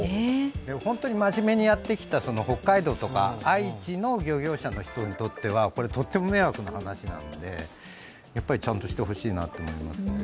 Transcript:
本当に真面目にやってきた北海道とか愛知の漁業者の人にとってはとっても迷惑な話なので、やっぱりちゃんとしてほしいなと思います。